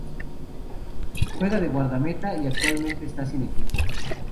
Juega de guardameta y actualmente está sin equipo.